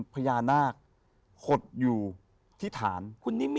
พระพุทธพิบูรณ์ท่านาภิรม